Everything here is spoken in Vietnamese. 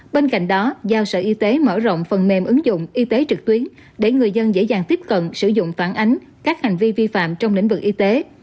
bên cạnh đó giao sở y tế mở rộng phần mềm ứng dụng y tế trực tuyến để người dân dễ dàng tiếp cận sử dụng phản ánh các hành vi vi phạm trong lĩnh vực y tế